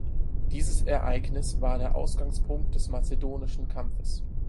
Dieses Ereignis war der Ausgangspunkt des mazedonischen Kampfes.